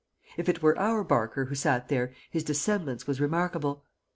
If it were our Barker who sat there his dissemblance was remarkable.